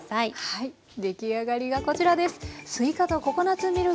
はい出来上がりがこちらです。